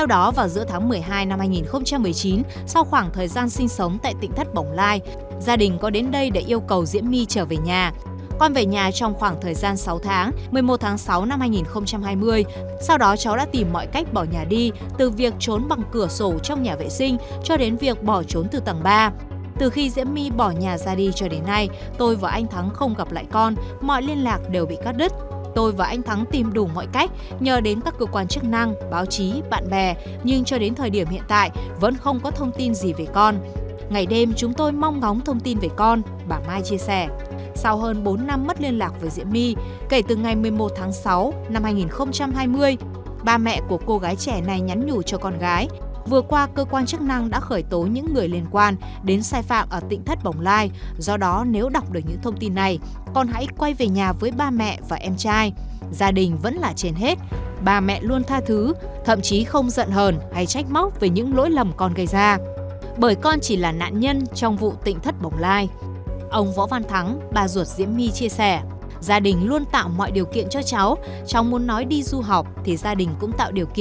chưa dừng lại ở đây vào tháng một mươi hai năm hai nghìn một mươi chín như lời vọ tôi kể cháu về nhà được sáu tháng thì đến tháng sáu năm hai nghìn hai mươi cháu my lại tiếp tục bỏ trốn đến tịnh thất